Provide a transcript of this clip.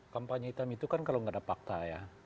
kampanye hitam itu kan kalau nggak ada fakta ya